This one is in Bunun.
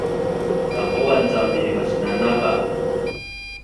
Taqu’an cam mi masnanava